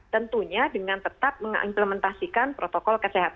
tentunya dengan tetap mengimplementasikan protokol kesehatan